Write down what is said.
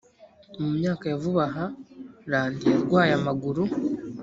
mu myaka ya vuba aha randi yarwaye amaguru